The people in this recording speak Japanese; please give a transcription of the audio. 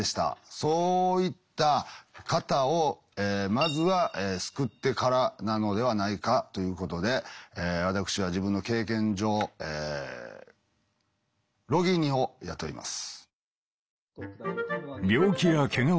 そういった方をまずは救ってからなのではないかということで私は自分の経験上ロギニを雇います。